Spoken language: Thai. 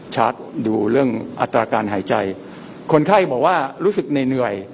ดูเรื่องอัตราการหายใจคนไข้บอกว่ารู้สึกเหนื่อยเหนื่อย